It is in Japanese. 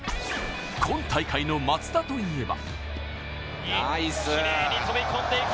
今大会の松田といえば。